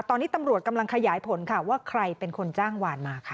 ตอนนี้ตำรวจกำลังขยายผลค่ะว่าใครเป็นคนจ้างหวานมาค่ะ